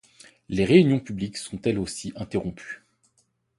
Les réunions publiques sont elles aussi interrompues.